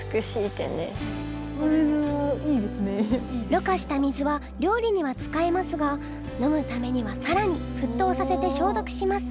ろ過した水は料理には使えますが飲むためにはさらに沸騰させて消毒します。